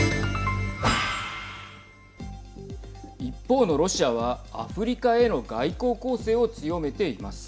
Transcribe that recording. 一方のロシアはアフリカへの外交攻勢を強めています。